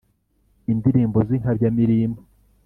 indirimbo z’inkabya-mirimbo